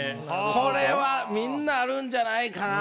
これはみんなあるんじゃないかな。